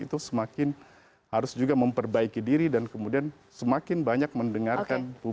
itu semakin harus juga memperbaiki diri dan kemudian semakin banyak mendengarkan publik